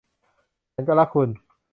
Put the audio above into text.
ฉันก็รักคุณ